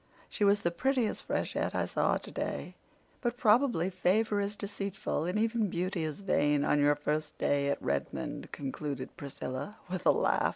She was the prettiest freshette I saw today, but probably favor is deceitful and even beauty is vain on your first day at Redmond," concluded Priscilla with a laugh.